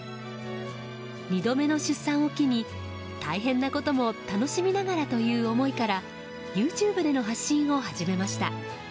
２度目の出産を機に大変なことも楽しみながらという思いからＹｏｕＴｕｂｅでの発信を始めました。